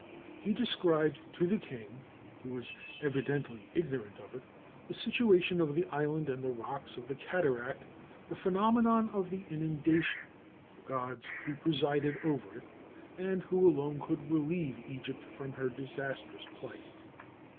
He described to the king, who was evidently ignorant of it, the situation of the island and the rocks of the cataract, the phenomena of the inundation, the gods who presided over it, and who alone could relieve Egypt from her disastrous plight.